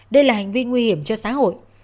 đây là hành vi nguy hiểm cho xã hội